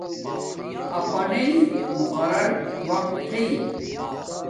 اپانݵ مقررر وقت تھݵ